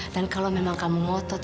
dan kalau memang kamu motot